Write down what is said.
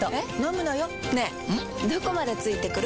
どこまで付いてくる？